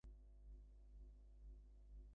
তোমার এগুলো ভুলে যাওয়া উচিত।